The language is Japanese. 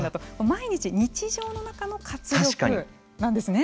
毎日、日常の中の活力なんですね。